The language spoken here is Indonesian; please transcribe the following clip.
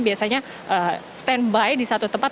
biasanya standby di satu tempat